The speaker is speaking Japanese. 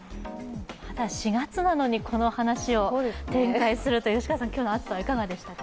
まだ４月なのにこの話を展開するという、今日の暑さいかがでしたか？